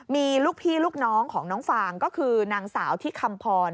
มีลูกพี่ลูกน้องของน้องฟางก็คือนางสาวที่คำพร